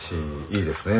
いいですね。